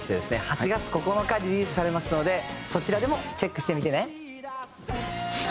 ８月９日リリースされますのでそちらでもチェックしてみてね！